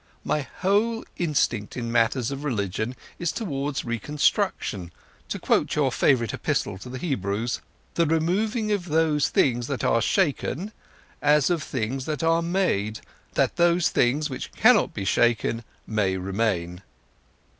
"My whole instinct in matters of religion is towards reconstruction; to quote your favorite Epistle to the Hebrews, 'the removing of those things that are shaken, as of things that are made, that those things which cannot be shaken may remain.